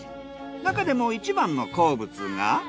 なかでも一番の好物が。